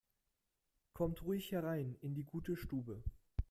Kommt ruhig herein in die gute Stube!